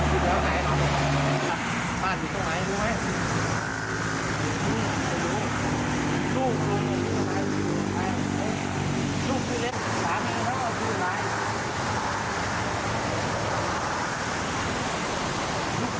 ลูกลูกอยู่ตรงไหนลูกชื่อเล็กสามีเขาเอาชื่ออะไร